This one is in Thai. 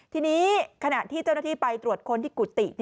ทีนี้ขณะที่เจ้าหน้าที่ไปตรวจค้นที่กุฏิ